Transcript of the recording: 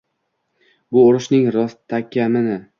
Bu urushning rostakamini.